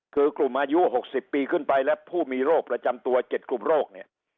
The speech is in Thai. คือกลุ่มอายุ๖๐ปีขึ้นไปและผู้มีโรคประจำตัว๗กลุ่มโรคเนี่ย